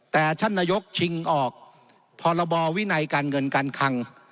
แต่ท่านนายกชิงออกพรบวินัยการเงินการคัง